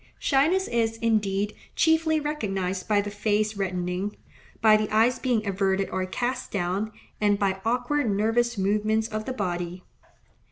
Shyness is, indeed, chiefly recognized by the face reddening, by the eyes being averted or cast down, and by awkward, nervous movements of the body.